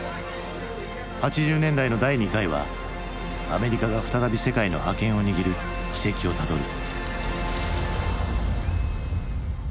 ８０年代の第２回はアメリカが再び世界の覇権を握る軌跡をたどる。